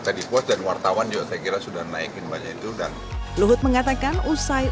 tadi puas dan wartawan juga saya kira sudah naikin banyak itu dan luhut mengatakan usai